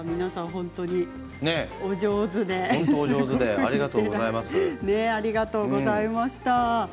本当にお上手でありがとうございます。